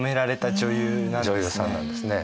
女優さんなんですね。